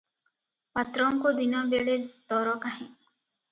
ପାତ୍ରଙ୍କୁ ଦିନବେଳେ ତର କାହିଁ?